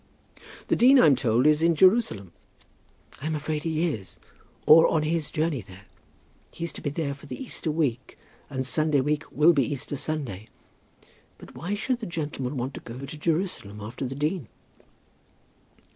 "The dean, I'm told, is in Jerusalem." "I'm afraid he is, or on his journey there. He's to be there for the Easter week, and Sunday week will be Easter Sunday. But why should the gentleman want to go to Jerusalem after the dean?"